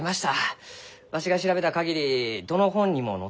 わしが調べた限りどの本にも載っちゃあしません。